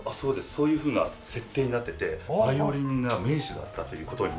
そういうふうな設定になっててバイオリンが名手だったという事になっているんです。